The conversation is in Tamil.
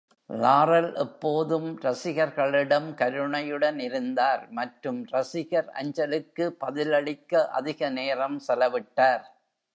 லாரல் எப்போதும் ரசிகர்களிடம் கருணையுடன் இருந்தார் மற்றும் ரசிகர் அஞ்சலுக்கு பதிலளிக்க அதிக நேரம் செலவிட்டார்.